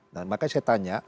nah makanya saya tanya